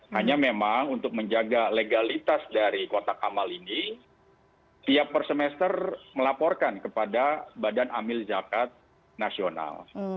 hanya memang untuk menjaga legalitas dari kotak amal ini tiap per semester melaporkan kepada badan amil zakat nasional